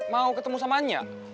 mau ketemu sama nya